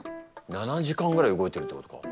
７時間ぐらい動いてるってことか。